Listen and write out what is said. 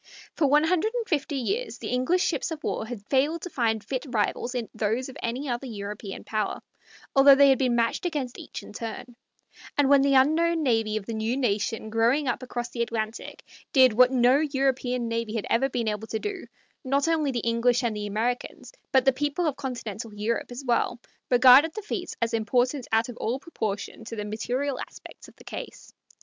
For one hundred and fifty years the English ships of war had failed to find fit rivals in those of any other European power, although they had been matched against each in turn; and when the unknown navy of the new nation growing up across the Atlantic did what no European navy had ever been able to do, not only the English and Americans, but the people of Continental Europe as well, regarded the feat as important out of all proportion to the material aspects of the case.